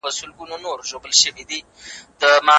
څوک چي لولي هغه پوهېږي.